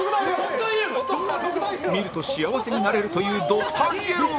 見ると幸せになれるというドクターイエローが！